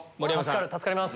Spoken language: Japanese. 助かります！